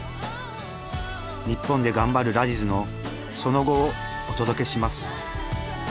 ニッポンで頑張るラジズのその後をお届けします。